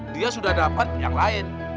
dia sudah dapat yang lain